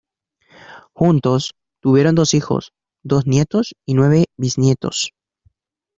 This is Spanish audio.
Juntos, tuvieron dos hijos, dos nietos y nueve bisnietos.